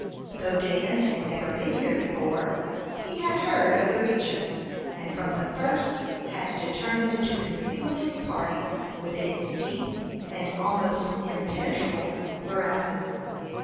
Though Dan had never been here before, he had heard of the region, and from the first had determined to conceal his party within its deep and almost impenetrable morasses.